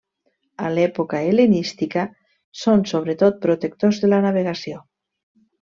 A l'època hel·lenística són sobretot protectors de la navegació.